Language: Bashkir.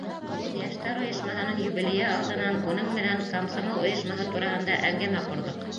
Йәштәр ойошмаһының юбилейы алдынан уның менән комсомол ойошмаһы тураһында әңгәмә ҡорҙоҡ.